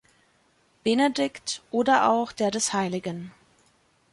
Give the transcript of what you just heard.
Benedikt" oder auch der des "Hl.